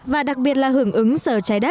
và đặc biệt là hưởng ứng sở trái đất